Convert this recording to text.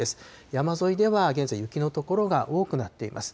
山沿いでは現在、雪の所が多くなっています。